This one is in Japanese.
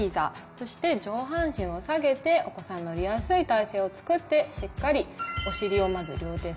そして上半身を下げてお子さんが乗りやすい体勢をつくってしっかりおしりをまず両手で支えます。